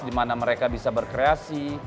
dimana mereka bisa berkreasi